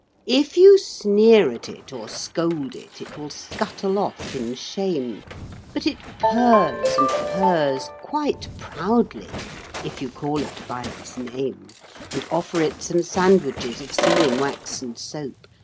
If you snear at it, or scold it, it will scuttle off in shame, But it purrs and purrs quite proudly if you call it by its name, And offer it some sandwiches of sealing wax and soap.